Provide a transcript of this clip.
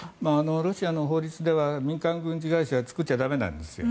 ロシアの法律では民間軍事会社は作っちゃ駄目なんです。